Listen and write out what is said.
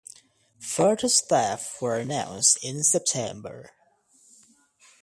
Further staff were announced in September.